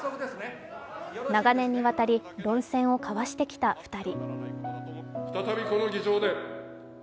長年にわたり論戦を交わしてきた２人。